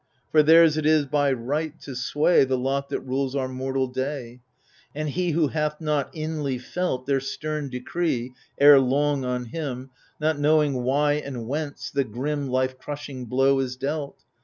For theirs it is by right to sway The lot that rules our mortal day, And he who hatjLjapt inlyfelt Their stem decree, ere long on him, Not knowing why and whence, the grim Life crushing blow is dealt.